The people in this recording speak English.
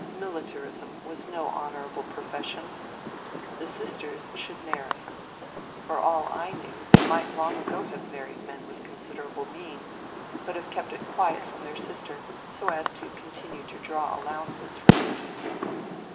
Militarism was no honourable profession. The sisters should marry. For all I knew they might long ago have married men with considerable means, but have kept it quiet from their sister, so as to continue to draw allowances from Nicky.